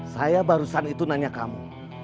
saya barusan itu nanya kamu